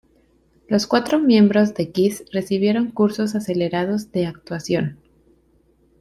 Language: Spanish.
Los cuatro miembros de Kiss recibieron cursos acelerados de actuación.